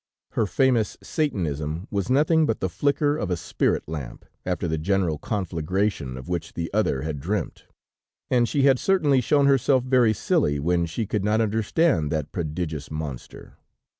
Her famous Satanism was nothing but the flicker of a spirit lamp, after the general conflagration of which the other had dreamt, and she had certainly shown herself very silly, when she could not understand that prodigious monster.